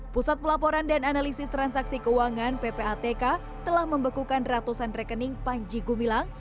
pusat pelaporan dan analisis transaksi keuangan ppatk telah membekukan ratusan rekening panji gumilang